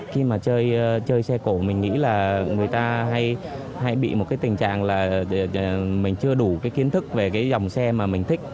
khi mà chơi xe cổ mình nghĩ là người ta hay bị một cái tình trạng là mình chưa đủ cái kiến thức về cái dòng xe mà mình thích